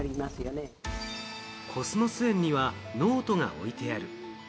コスモス園にはノートが置いてある。